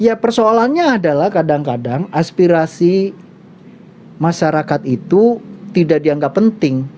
ya persoalannya adalah kadang kadang aspirasi masyarakat itu tidak dianggap penting